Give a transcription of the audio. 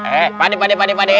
eh pak deh pak deh pak deh pak deh